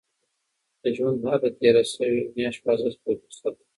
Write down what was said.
د ژوند هره تېره شوې میاشت په اصل کې یو فرصت دی.